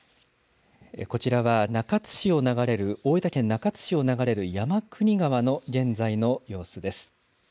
こちらは中津市を流れる、大分県中津市を流れる山国川の現在の様子です。